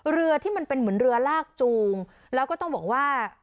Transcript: เรือที่มันเป็นเหมือนเรือลากจูงแล้วก็ต้องบอกว่า